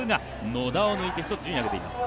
野田を抜いて１つ、順位を上げています。